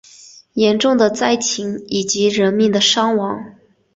严重的灾情以及人命的伤亡